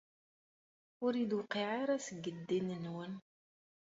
Ur iyi-d-tewqiɛ ara seg ddin-nwen.